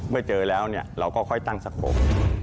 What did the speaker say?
เมื่อเจอแล้วเราก็ค่อยตั้งสักผม